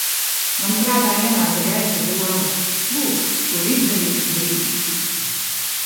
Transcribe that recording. Man prātā ienāca gaiša doma: lūk, kur izdevīgs brīdis!